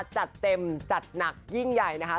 จัดเต็มจัดหนักยิ่งใหญ่นะคะ